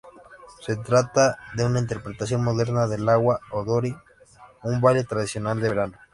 Se trata de una interpretación moderna del Awa odori, un baile tradicional de verano.